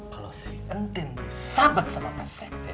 kalau si entin disabet sama pak sekdes